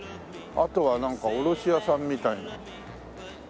あとはなんか卸屋さんみたいな。